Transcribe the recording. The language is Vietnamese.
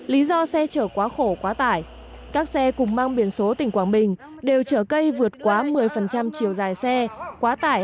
lý do xe chở quá khổ quá tải các xe cùng mang biển số tỉnh quảng bình đều chở cây vượt quá một mươi chiều dài xe quá tải hai mươi năm mươi